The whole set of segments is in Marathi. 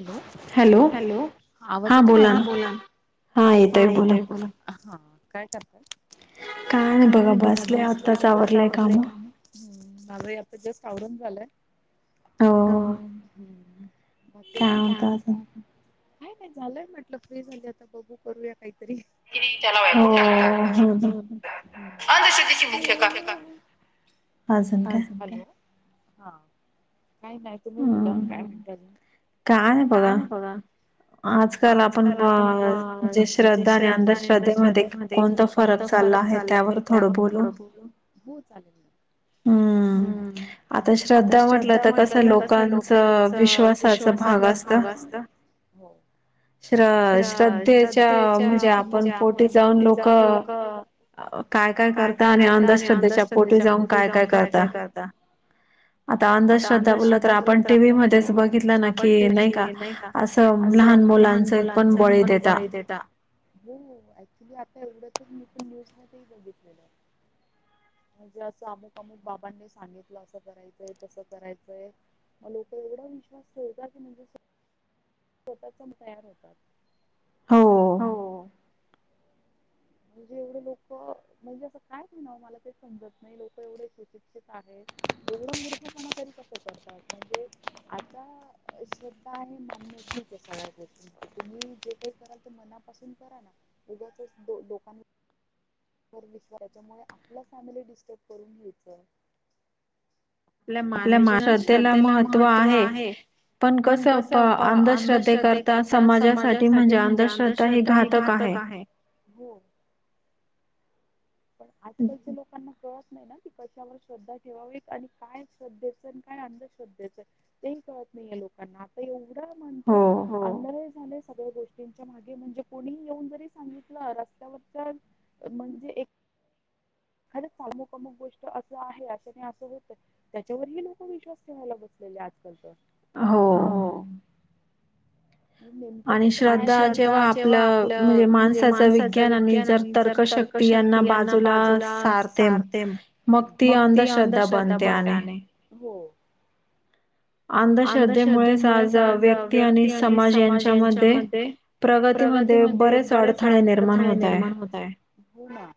हॅलो हॅलो आवाज येतोय माझा हा बोला, हा येतोय बोला काय करालाय. काय नाही, बघा बसले. आत्ताच आवरलंय काम. हम्म माझ आता जस्ट आवरून झालंय. हो, बाकी काय नाही झालंय म्हटलं, फ्री झाली आता बघू. करूया काहीतरी. [inaudible] [unintelligible] हा, काय नाही? तुम्ही बोला, काय म्हणताय अजून? काय नाही बघा. आजकाल आपण जे श्रद्धा आणि अंधश्रद्धेमध्ये कोणता फरक चालला आहे, त्यावर थोडं बोलू. हो चालेल ना. हम्म, आता श्रद्धा म्हटलं तर, कसं लोकांचा विश्वासाचा भाग असता हो. श्र श्रद्धेच्या म्हणजे आपण पोटी जाऊन लोकं काय काय करता आणि अंधश्रद्धेच्या पोटी जाऊन काय काय करता. आता अंधश्रद्धा बोलल तर आपण टीव्ही मध्येच बघितलं ना, कि नाही का अस लहान मुलाना पण बळी देतात. हो ऍक्चुली आता एवढं तर मी पण न्यूज मध्येही बघितलेलं. म्हणजे असं अमुक अमुक बाबांनी सांगितलं असं करायचं आहे तसं करायचं आहे. मग लोकं एवढा विश्वास ठेवतात की, म्हणजे अस स्वतःजाऊन तयार होतात. हो म्हणजे एवढे लोकं म्हणजे असं काय म्हणावं मला ते समजत नाही. लोक एवढे सुशिक्षित आहेत. एवढा मूर्खपणा तरी कसं करतात? म्हणजे आता श्रद्धा आहे मान्य आहे ठीक आहे सगळ्या गोष्टी तुम्ही जे काही कराल ते मनापासून करा ना, उगाचच लोकांना [unintelligible] विश्वासच्यामुळे आपला फॅमिली डिस्टर्ब करून घ्यायचं आहे. आपल्या मानवी जीवनात श्रद्धेला महत्त्व आहे. पण कस प अंधश्रद्धे करता समाजासाठी म्हणजे अंध श्रद्धा हे घातक आहे. पण आजकालच्या लोकांना कळत नाही ना की कशावर श्रद्धा ठेवावी आणि काय श्रद्धेचं आणि काय अंधश्रद्धेचं तेही कळत नाही आहे लोकांना, आता एवढं म्हणजे अंधळे झाले सगळ्या गोष्टी त्याच्या मागे म्हणजे कोणीही येऊन जरी सांगितलं रस्त्यावर चल म्हणजे खरंच अमुक अमुक गोष्ट असं आहे अशाने असं होतय. त्याच्यावरही लोकं विश्वास ठेवायला बसलेले आजकाल तर हो नेमक कस काय, आणि श्रद्धा जेव्हा आपलं म्हणजे माणसाच विज्ञान आणि जर तर्क शक्ती यांना बाद तुला सारते मग ती अंधश्रद्धा बनणार नाही. हो अंधश्रद्धेमुळेच आज व्यक्ती आणि समाज यांच्यामध्ये प्रगतीमध्ये बरेच अडथळे निर्माण होत आहे. हो ना.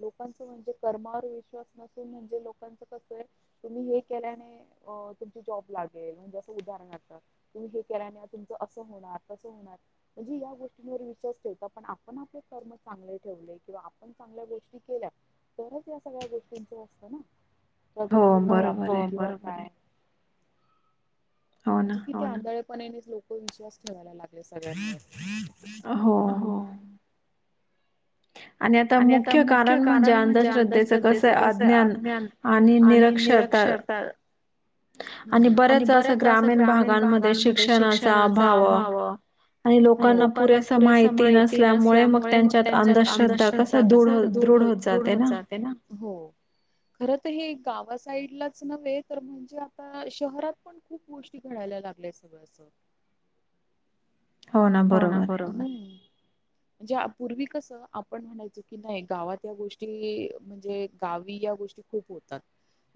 लोकांच म्हणजे कर्मावर विश्वास नसून म्हणजे लोकांच कसं आहे तुम्ही हे केल्याने अ तुमची जॉब लागेल, म्हणजे असं उदाहरणार्थ तुम्ही हे केल्याने तुमचं असं होणार तसं होणार म्हणजे या गोष्टींवर विश्वास ठेवता, पण आपण आपले कर्म चांगले ठेवले किंवा आपण चांगल्या गोष्टी केल्या तरच या सगळ्या गोष्टींच असतं ना प्रगती होते आपली किंवा काय म्हणजे किती आढळेपणाने लोकं विश्वास ठेवायला लागले सगळ्यांवर. हो आणि आता मुख्य कारण म्हणजे अंधश्रद्धेचं कसं अज्ञान आणि निरक्षरता आणि बरेच असं ग्रामीण भागांमध्ये शिक्षणाचा अभाव आणि लोकांना पुरेसा माहिती नसल्यामुळे मग त्यांच्यात अंधश्र श्रद्धा कसा दृढ, दृढ होत जाते ना. हो खर तर हे गावा साईडलाच नव्हे, तर म्हणजे आता शहरात पण खूप गोष्टी घडायला लागल्या आहे सगळं असं हो ना बरोबर. म्हणजे पूर्वी कसं आपण म्हणायचो की नाही गावात या गोष्टी म्हणजे गावी या गोष्टी खूप होतात.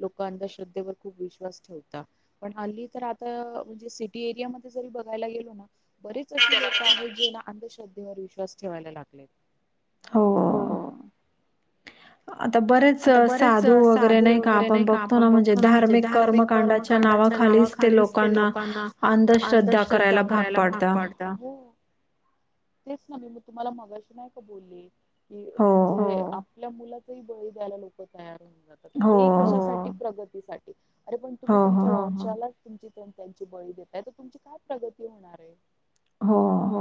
लोक अंधश्रद्धेवर खूप विश्वास ठेवता. पण हल्ली तर आता म्हणजे सिटी एरियामध्ये जरी बघायला गेलो ना बरेच तशी लोक आहेत जे ना अंधश्रद्धेवर विश्वास ठेवायला लागलेत. हो आता बरेच साधू वगैरे नाही का? आपण बघतो ना म्हणजे धार्मिक कर्म कांडाच्या नावाखालीच ते लोकांना अंधश्रद्धा करायला भाग पाड ता, हो तेच ना मी मग तुम्हाला मगाशी नाही का बोलले? की म्हणजे आपल्या मुलाचाही बळी द्यायला लोक तयार होऊन जातात. तीक कशासाठी प्रगतीसाठी अरे पण तुम्ही तुमच्या [unintelligible] तुमची त्यांची बळी देताय तर तुमची काय प्रगती होणार हे? हो,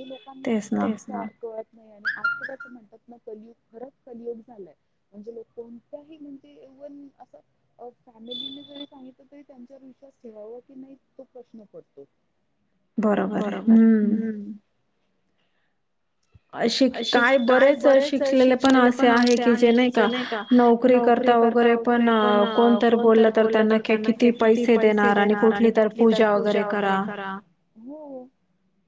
तेच ना. कळत नाही आणि आता कसं म्हणतात ना कलयुग, खरंच कलियुग झालंय. म्हणजे लोक कोणत्याही म्हणजे ए वन असं अ फॅमिलीने जरी सांगितलं तरी त्यांच्यावर विश्वास ठेवावा की नाही तो प्रश्न पडतो. बरोबर हे. हम्म अशीक काय बरेच शिकले पण असे आहे की जे नाही का, नोकरी करता वगैरे पण कोण तर बोलल तर त्यांना एक किती पैसे देणार? आणि कुठली तर पूजा वगैरे करा. हो.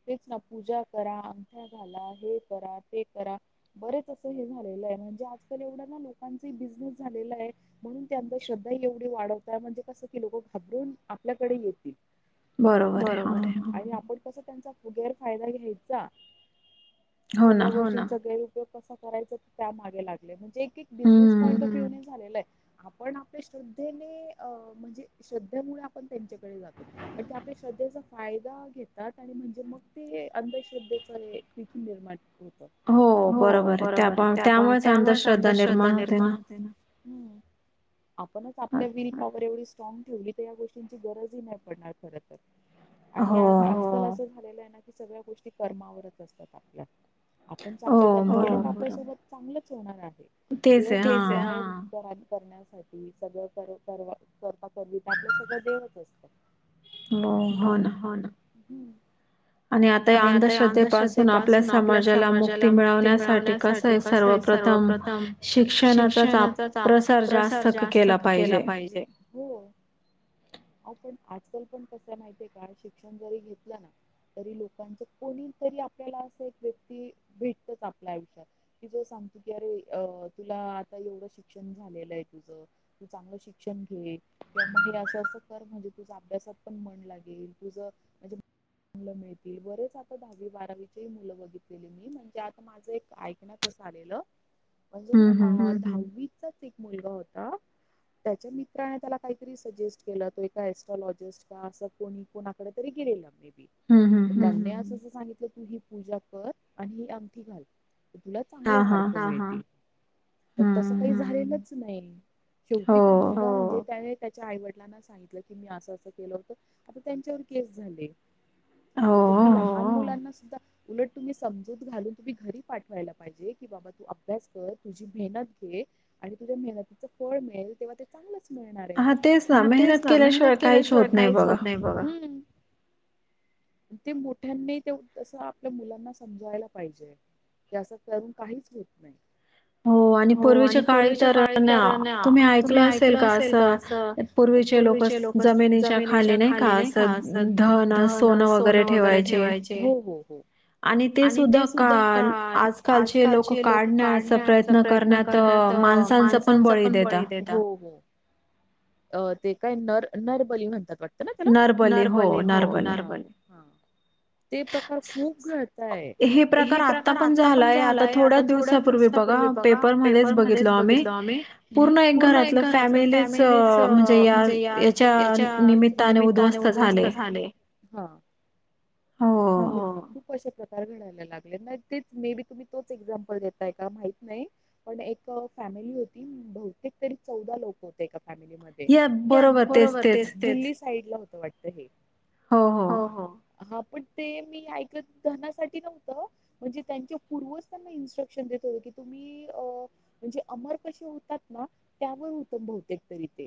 तेच ना, पूजा करा, अंगठ्या घाला. हे करा, ते करा. बरेच असं हे झालेलं आहे म्हणजे आजकाल एवढा ना लोकांची बिझनेस झालेला आहे. म्हणून ते अंधश्रद्धा एवढी वाढवताय म्हणजे कसं की लोक घाबरून आपल्याकडे येतील. बरोबर आहे. आणि आपण कसं त्यांचा गैरफायदा घ्यायचा, सगळ्या गोष्टीचा गैर उपयोग कसा करायच त्या मागे लागले म्हणजे एक एक बिझनेस पॉईंट ऑफ यू ने झालेला आहे. आपण आपल्या श्रद्धेने म्हणजे श्रद्धेमुळे आपण त्यांच्याकडे जातो. पण ते आपल्या श्रद्धेचा फायदा घेतात. आणि म्हणजे मग ते अंधश्रद्धेचा हे तिथून निर्माण होत. हो बरोबर आहे त्या त्यामुळेच अंध श्रद्धा निर्माण [unintelligible] हम, आपणच आपलं विल पॉवर एवढी स्ट्रॉंग ठेवलीत या गोष्टींची गरज ही नाही पडणार, खरं तर आणि आज ते आज काल असं झालेलं आहे ना, की सगळ्या गोष्टी कर्मावरच असतात आपल्या. आपण चांगले कर्म केले की आपल्या सोबत चांगलंच होणार आहे. देवते [unintelligible] करण्यासाठी सगळं कर करवा करवीता, आपलं सगळं देवच असतं. बग, हो ना. आणि आता या अंधश्रद्धेपासून आपल्या समाजाला मुक्ती मिळवण्यासाठी कसं हय सर्वप्रथम शिक्षणाचा आप प्रसार जास्त केला पाहिजे. जय. हो. हा पण आजकाल पण कस माहितीये का? शिक्षण जरी घेतलं ना तरी लोकांच कोणी तरी आपल्याला असं एक व्यक्ती भेटतच आपल्या आयुष्यात. की जो सांगतो की, अरे अ तुला आता एवढं शिक्षण झालेलं आहे तुझं. तू चांगलं शिक्षण घे.. किंवा मग हे असं असं कर म्हणजे तुझं अभ्यासात पण मन लागेल. तुझं मजे मुलं मिळतील. बरेच आता दहावी बारावीचे मुलं बघितलेली मी म्हणजे आता माझं एक ऐकण्यात च आलेलं, म्हणजे ना दहावीचाच एक मुलगा होता त्याच्या मित्राने त्याला काहीतरी सजेस्ट केलं, तो एका एस्ट्रॉलॉजिस्ट का असं कोणी कोणाकडे तरी गेललं. [unintelligible] त्यांनी असं सांगितलं तू ही पूजा कर आणि ही अंगठी घाल. तुला चांगले मार्क मिळतील. पण तस काही झालेलंच नाही. शेवटी तो मुलगा हो घेत आहेत. त्याच्या आईवडिलांना सांगितलं की, मी असं -असं केलं होतं. आता त्यांच्यावर केस झाली तुम्ही लहान मुलांना सुद्धा, उलट तुम्ही समजूत घालून तुम्ही घरी पाठवायला पाहिजे. पाहिजे की बाबा तू अभ्यास कर, तू मेहनत घे आणि तुझ्या मेहनतीच फळ मिळेल तेव्हा ते चांगलंच मिळणार हेय, तेच ना मेहनत केल्याशिवाय काहीच होत नाही बघा. ते मोठ्यांनी ते तसं आपल्या मुलांना समजवायला पाहिजे. हे अस करून काहीच होत नाही. हो आणि पूर्वीच्या काळी तर ना, तुम्ही ऐकलं असेल का असं पूर्वीचे लोक जमिनीच्या खाली नायी का, असं धाव नस. सोनं वगैरे ठेवायचे. आणि ते सुद्धा काल, आजकालचे लोक काढण्याचा प्रयत्न करण्यात माणसांचा पण बळी देतात. अ, ते काय नर, नरबली म्हणतात वाटतं ना त्येला? नरबली हो नरबली. हा, ते फक्त खूप घडतंय. हे प्रकार आता पण झालाय, आता थोड्या दिवसा पूर्वी बघा, पेपर मध्येच बघितलं आम्ही, पूर्ण एक घरातलं फॅमि मेलीच, म्हणजे या याच्या निमित्ताने उद्धवस्त झाले. हा. हो खूप पैसे त्यात. बाहेर घडायला लागलय. मग तेच मे बी तुम्ही तोच एक्झामपल देताय का माहित नाही. पण एक फॅमिली होती. बहुतेक तरी चौदा लोक होते एका फॅमिलीमध्ये. त्यात बरोबर तेच, तेच. दिल्ली साईड ला होत वाटत हे? हो, हो. हा पण ते मी ऐकलं धनासाठी नव्हतं. म्हणजे त्यांचे पूर्वज त्यांना इन्स्ट्रक्शन देत होते, की तुम्ही अ म्हणजे अमर कसे होतात ना, त्यामुळे होत्यात बहुतेक तरी ते.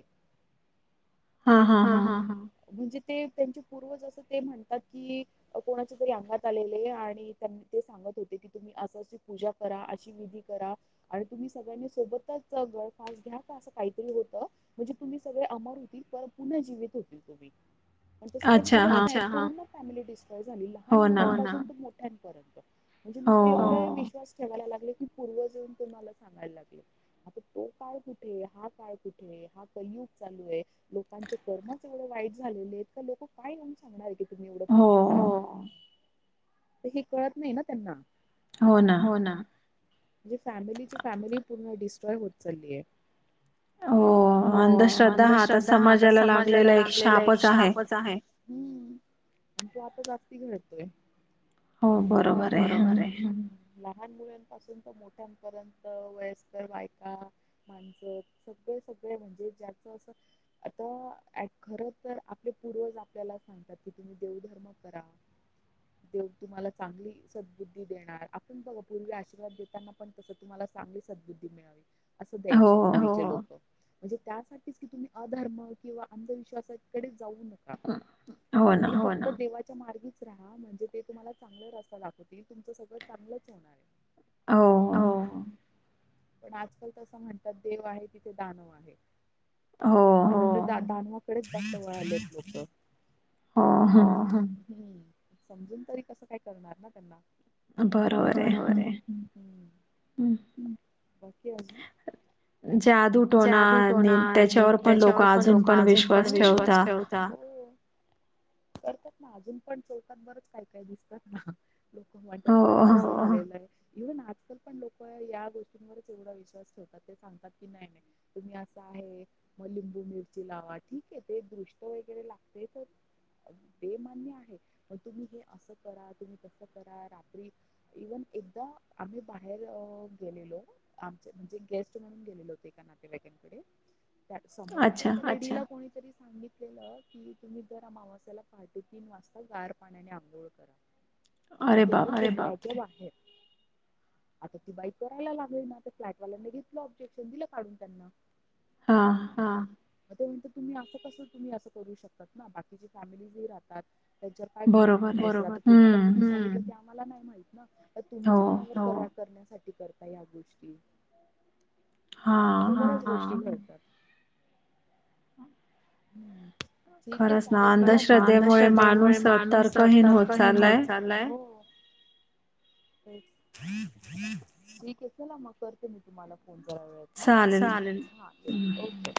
हा, हा, हा म्हणजे ते त्यांचे पूर्वज असं ते म्हणतात की कोणाच्या तरी अंगात आलेले, आणि त्यांनी ते सांगत होते, की तुम्ही अससं पूजा करा, अशी विधी करा. आणि तुम्ही सगळ्यांनी सोबतच गळफास घ्या, का असं काहीतरी होतं. म्हणजे तुम्ही सगळे अमर होतील, पण पुन्हा जीवित होतील तुम्ही. पण तस काही झालंच नाही, पूर्ण फॅमिली डिस्ट्रॉय झाली, लहान मुला पासून मोठ्यांपर्यंत. म्हणजे लोक एवढा विश्वास ठेवायला लागले, की पूर्वज येऊन तुम्हाला सांगायला लागले. आता तो काळ कुठे, हा काळ कुठे? हा कलयुग चालूय. लोकांचे कर्मच एवढे वाईट झालेले आहेत, का लोक काय येऊन सांगणार आहे की तुम्ही हो. हे कळत नाही ना त्यांना. हो ना. म्हणजे फॅमिलीची फॅमिली पूर्ण डिस्ट्रॉय होत चाललीय. हो, अंधश्रद्धा हा आता समाजाला लागलेला एक शापच आहे. हम्म. जो आता अति घडतोय. हो बरोबर हाय, हम्म. लहान मुलांपासून तर मोठ्यांपर्यंत वयस्कर बायका माणसं, सगळे, सगळे म्हणजे ज्याच असं आता ॲट, खर तर आपले पूर्वज आपल्याला सांगतात की तुम्ही देवधर्म करा. देव तुम्हाला चांगली सद्बुद्धी देणार, आपण बघा पूर्वी आशीर्वाद देताना पण तसं तुम्हाला चांगली सद्बुद्धी मिळावी असं द्यायचे पूर्वीचे लोक, हो हो. म्हणजे त्यासाठीच की तुम्ही अ धर्म किंवा अंधविश्वासाकडे जाऊ नका. मी हवं ना, देवाचे त्या मार्गीच राहा म्हणजे ते तुम्हाला चांगला रस्ता दाखवतील तुमच सगळं चांगलंच होणार. हों. पण आजकाल तसं म्हणतात देव आहे तिथे दानव आहे. हो दानव तिकडेच जास्त वळालेत लोकं. आ हं, समजून तरी कस काय करणार ना त्यांना. बरोबर आहे, हम् हुन, बाकी अजून? जादू. जादूटोना आणि त्याच्यावर पण लोक अजून पण विश्वास ठेवत हां, करतात ना अजून पण चौकात बरच काय काय दिसत. खूप खूप वाटतं तुम्हाला सवय नाही. हो, इव्हन आजकाल पण लोक या गोष्टींवरच एवढा विश्वास ठेवतात ते सांगतात की नाही नाही तुम्ही असं आहे मग लिंबू मिरची लावा ठीक आहे, ते दृष्ट वगैरे लागते तर ते मान्य आहे, मगं तुम्ही हे असं करा तुम्ही तसं करा रात्री इव्हन एकदा आम्ही बाहेर अं गेलेलो आमचे म्हणजे गेस्ट म्हणून गेलेलो एका नातेवाईकांकडे त्या समोरच्या एका लेडी ला कोणी, आच्छा तरी सांगितलेलं की तुम्ही दर आमावस्येला पहाटे तीन वाजता गार पाण्याने आंघोळ करा. [unintelligible] तरी आहे, आता ती बाई करायला लागली ना त्या फ्लॅटवाल्यांनी घेतलं ऑब्जेक्शन दिलं काढून त्यांना, हां. मग ते म्हणतात तुम्ही असं कसं तुम्ही असं करू शकतात ना बाकीची फॅमिलीज ही राहतात. त्यांच्यावर काय परिणाम होत असेल बरोबर की हम् तुम्हांला ते आम्हाला नाही माहित ना. [unintelligible] हां हां, अशा बऱ्याच गोष्टी घडतात. हम्, ठीक आहे चालेल, खरच ना, अंधश्रद्धेमुळे माणूस तर तर्कहीन होत चाललाय, हो. [inaudible] तेच, ठीक आहे चला मग करते मी तुम्हाला फोन थोड्या वेळात. आं, चालेल, हां, ओके.